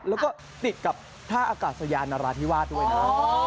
แล้วก็ติดกับท่าอากาศยานราธิวาสด้วยนะ